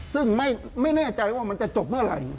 ซึ่งไม่แน่ใจว่ามันจะจบเมื่อไหร่